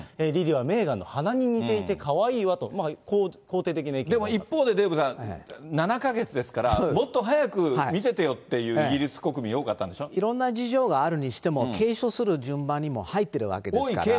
リリはメーガンの鼻に似ていてかわいいわと、こう、肯定的な意見でも一方で、デーブさん、７か月ですから、もっと早く見せてよっていうイギリス国民、多かいろんな事情があるにしても、継承する順番にも入ってるわけですから。